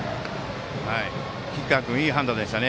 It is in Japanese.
吉川君、いい判断でした。